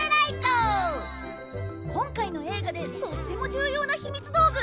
今回の映画でとっても重要なひみつ道具！